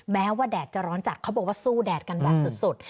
แม้ว่าแดดจะร้อนจัดเขาบอกว่าสู้แดดกันแบบสุด